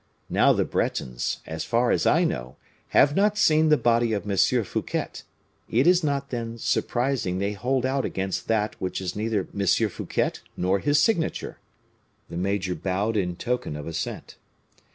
Now the Bretons, as far as I know, have not seen the body of M. Fouquet. It is not, then, surprising they hold out against that which is neither M. Fouquet nor his signature." The major bowed in token of assent.